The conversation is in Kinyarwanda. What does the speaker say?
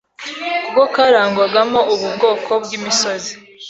kuko karangwagamo ubu bwoko bw’imisozi.